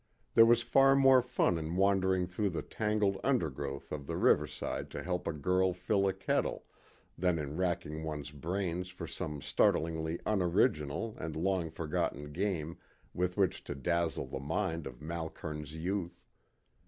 There was far more fun in wandering through the tangled undergrowth of the riverside to help a girl fill a kettle, than in racking one's brains for some startlingly unoriginal and long forgotten game with which to dazzle the mind of Malkern's youth.